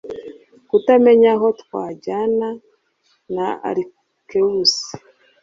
kutamenya aho twajyana alcaeus